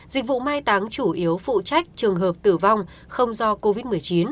dịch vụ mai táng chủ yếu phụ trách trường hợp tử vong không do covid một mươi chín